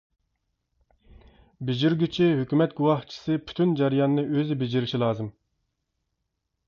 بېجىرگۈچى ھۆكۈمەت گۇۋاھچىسى پۈتۈن جەرياننى ئۆزى بېجىرىشى لازىم.